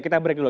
kita break dulu